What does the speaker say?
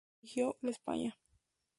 Dirigió "La España".